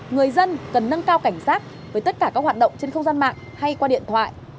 người dân cần nâng cao cảnh sát với tất cả các hoạt động trên không gian mạng hay qua điện thoại